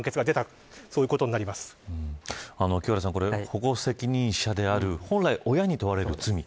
保護責任者である本来、親に問われる罪